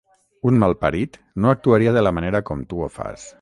Un malparit no actuaria de la manera com tu ho fas.